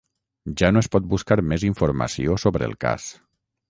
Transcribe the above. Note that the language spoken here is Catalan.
Ja no es pot buscar més informació sobre el cas.